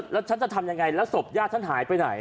แล้วฉันจะทำยังไงแล้วศพญาติฉันหายไปไหน